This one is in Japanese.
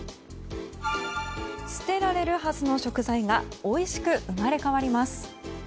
捨てられるはずの食材がおいしく生まれ変わります。